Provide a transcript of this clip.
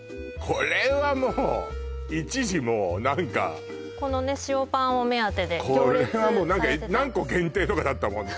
これはもう一時もう何かこのね塩パンを目当てで行列されてた何個限定とかだったもんね